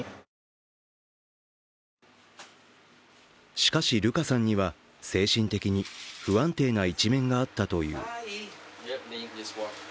しかしルカさんには精神的に不安定な一面があったという。